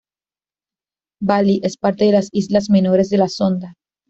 Bali es parte de las Islas menores de la Sonda.